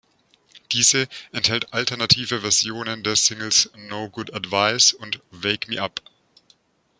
Diese enthält alternative Versionen der Singles "No Good Advice" und "Wake Me Up".